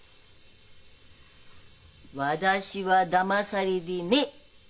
私はだまされでねえ！